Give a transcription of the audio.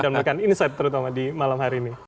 dan memberikan insight terutama di malam hari ini